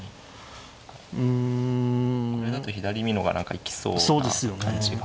これだと左美濃が何か生きそうな感じが。